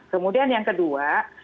kemudian yang kedua